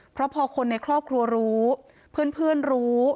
เพราะพอคนในครอบครัวรู้เพื่อนรู้